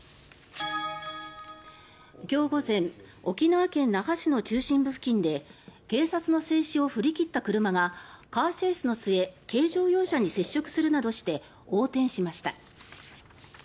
今日午前、沖縄県那覇市の中心部付近で警察の制止を振り切った車がカーチェイスの末軽乗用車に接触するなどして横転しました。